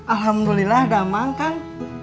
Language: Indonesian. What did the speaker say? alhamdulillah ada mak kang